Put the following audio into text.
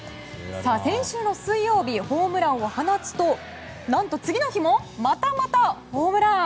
先週の水曜日ホームランを放つと何と、次の日もまたまたホームラン。